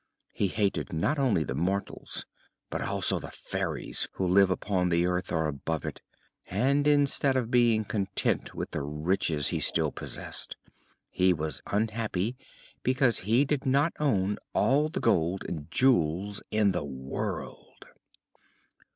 He hated not only the mortals but also the fairies who live upon the earth or above it, and instead of being content with the riches he still possessed he was unhappy because he did not own all the gold and jewels in the world.